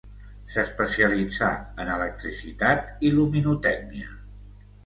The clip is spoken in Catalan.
S'especialitzà en electricitat i luminotècnia.